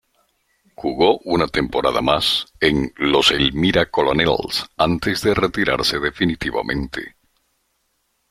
Jugó una temporada más, en los Elmira Colonels, antes de retirarse definitivamente.